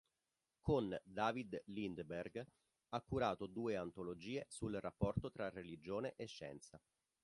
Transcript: Con David Lindberg, ha curato due antologie sul rapporto tra religione e scienza.